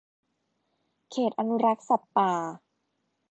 เขตอนุรักษ์สัตว์ป่า